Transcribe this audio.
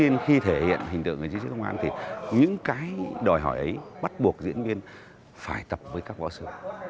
những cái đòi hỏi ấy bắt buộc diễn viên phải tập với các võ sử